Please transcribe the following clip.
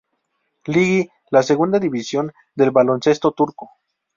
Ligi, la segunda división del baloncesto turco.